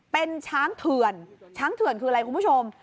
เป็นช้างเถื่อนช้างเถื่อนคืออะไรคุณผู้ชม